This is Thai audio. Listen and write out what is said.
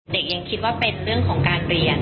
เด็กยังคิดว่าเป็นเรื่องของการเรียน